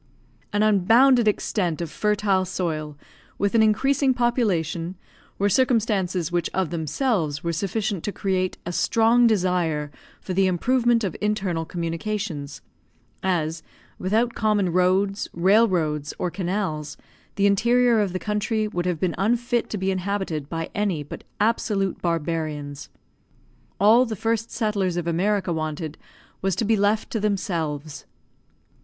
An unbounded extent of fertile soil, with an increasing population, were circumstances which of themselves were sufficient to create a strong desire for the improvement of internal communications; as, without common roads, rail roads, or canals, the interior of the country would have been unfit to be inhabited by any but absolute barbarians. All the first settlers of America wanted was to be left to themselves.